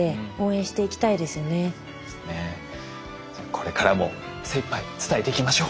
これからも精いっぱい伝えていきましょう。